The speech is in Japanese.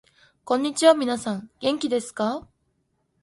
こんにちは、みなさん元気ですか？